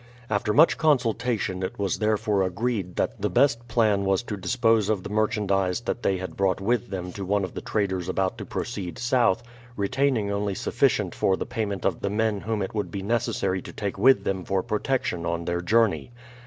After much consultation it was therefore agreed that the best plan was to dispose of the merchandise that they had brought with them to one of the traders about to proceed south, retaining only sufficient for the payment of the men whom it would be necessary to take with them for protection on their journey.